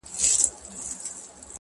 • ښکلي همېش د سترګو پاس دا لړمان ساتي ..